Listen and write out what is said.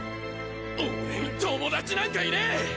俺に友達なんかいねえ！